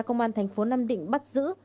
công an thành phố nam định bắt giữ